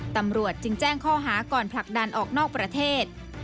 ตำรวจจึงแจ้งข้อหาก่อนผลักดันออกนอกประเทศ